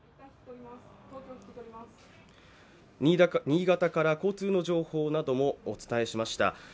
新潟から交通の情報などもお伝えしました。